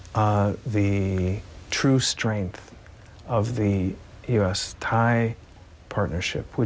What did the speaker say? ในสิ่งที่คุมรับรับภาพให้ไทย